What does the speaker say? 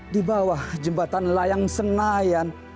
di bawah jembatan layang senayan